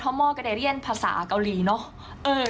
ถ้าเมื่อก็ได้เรียนภาษาเกาหลีเนอะ